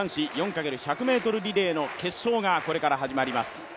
男子４×１００ｍリレーの決勝がこれから始まります。